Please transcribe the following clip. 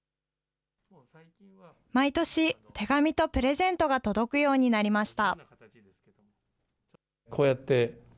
毎年、手紙とプレゼントが届くようになりました。